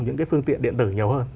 những cái phương tiện điện tử nhiều hơn